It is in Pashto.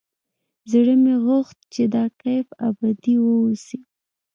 زړه مې غوښت چې دا کيف ابدي واوسي.